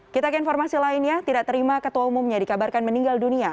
kita ke informasi lainnya tidak terima ketua umumnya dikabarkan meninggal dunia